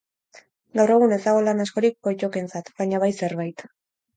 Gaur egun ez dago lan askorik pottokentzat, baina bai zerbait.